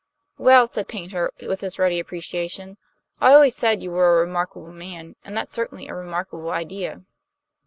"Well," said Paynter, with his ready appreciation, "I always said you were a remarkable man; and that's certainly a remarkable idea."